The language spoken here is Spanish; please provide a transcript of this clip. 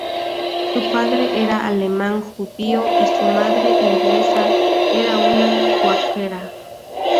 Su padre era alemán judío y su madre inglesa era una cuáquera.